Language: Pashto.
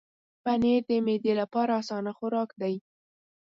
پنېر د معدې لپاره اسانه خوراک دی.